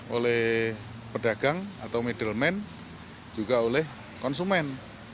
oleh pedagang atau middleman juga oleh konsumen